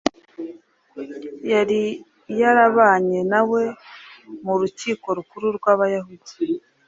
yari yarabanye na we mu rukiko rukuru rw’Abayahudi